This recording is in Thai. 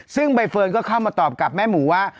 ซึ่งใบเฟิร์นก็เข้ามาตอบกับแม่หมูว่า